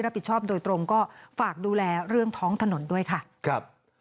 ลบลุ้มนั่นแหละ